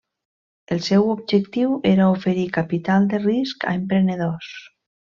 El seu objectiu era oferir capital de risc a emprenedors.